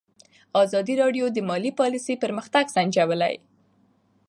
ازادي راډیو د مالي پالیسي پرمختګ سنجولی.